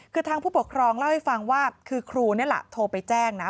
คือทางผู้ปกครองเล่าให้ฟังว่าคือครูนี่แหละโทรไปแจ้งนะ